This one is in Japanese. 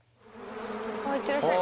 あっいってらっしゃい。